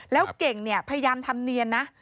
แล้วเก่งเนี่ยพยายามทำเนียนนะ